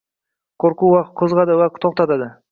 Qoʻrquv yoki qoʻzgʻatadi, yoki toʻxtatadi.